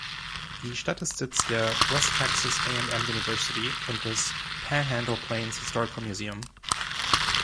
Die Stadt ist Sitz der West Texas A&M University und des Panhandle-Plains Historical Museum.